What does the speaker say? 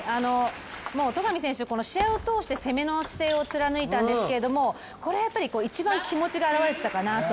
戸上選手、試合を通して攻めの姿勢を貫いたんですけれどもこれやっぱり気持ちが表れてたかなと。